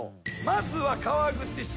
まずは川口市。